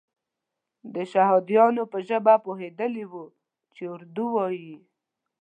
د شهادیانو په ژبه پوهېدلی وو چې اردو وایي.